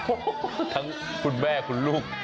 โอ้โหทั้งคุณแม่คุณลูก